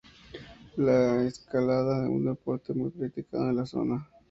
La escalada es un deporte muy practicado en la zona.